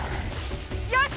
よし！